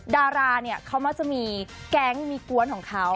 ดาราเนี่ยเขามักจะมีแก๊งมีกวนของเขา